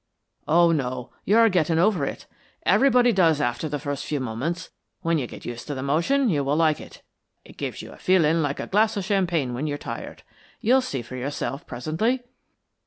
"Oh, no, you are getting over it. Everybody does after the first few moments. When you get used to the motion you will like it. It gives you a feeling like a glass of champagne when you're tired. You'll see for yourself presently."